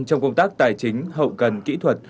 trong công tác tài chính hậu cần kỹ thuật